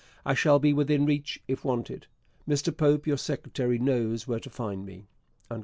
I shall be within reach if wanted. Mr Pope, your secretary, knows where to find me.